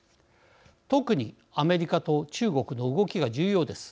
特にアメリカと中国の動きが重要です。